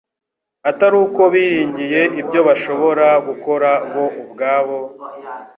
atari uko biringiye ibyo bashobora gukora bo ubwabo,